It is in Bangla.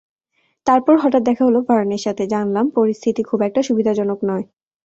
তারপর হঠাত দেখা হল ভার্নের সাথে, জানলাম পরিস্থিতি খুব একটা সুবিধাজনক নয়।